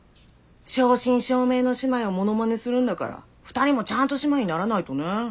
正真正銘の姉妹をモノマネするんだから２人もちゃんと姉妹にならないとね。